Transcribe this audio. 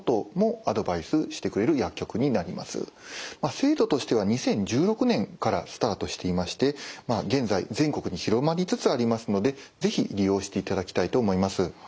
制度としては２０１６年からスタートしていまして現在全国に広まりつつありますので是非利用していただきたいと思います。